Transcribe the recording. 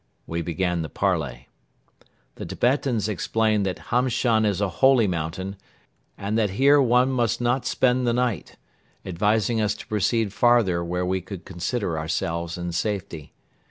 We began the parley. The Tibetans explained that Hamshan is a holy mountain and that here one must not spend the night, advising us to proceed farther where we could consider ourselves in safety.